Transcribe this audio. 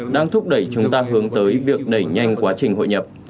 đang thúc đẩy chúng ta hướng tới việc đẩy nhanh quá trình hội nhập